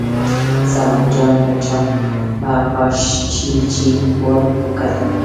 سلام جان په غاښچيچي ور وکتل.